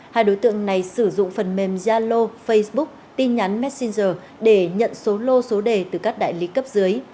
hai đối tượng này sử dụng phần mềm zalo facebook tin nhắn messenger để nhận số lô số đề từ các đại lý cấp dưới